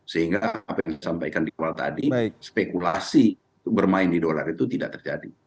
sehingga apa yang disampaikan di awal tadi spekulasi bermain di dolar itu tidak terjadi